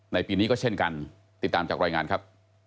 ปีนี้ก็เช่นกันติดตามจากรายงานครับ